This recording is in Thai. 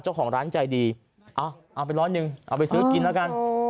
เจ้าของร้านใจดีเอาไปร้อยหนึ่งเอาไปซื้อกินแล้วกัน